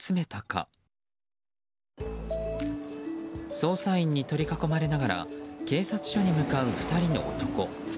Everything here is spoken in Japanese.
捜査員に取り囲まれながら警察署に向かう２人の男。